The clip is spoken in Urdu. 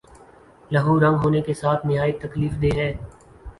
لہو رنگ ہونے کے ساتھ نہایت تکلیف دہ ہے